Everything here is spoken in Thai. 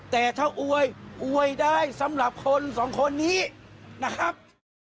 แต่ถ้าอวยอวยได้สำหรับคนสองคนนี้นะครับ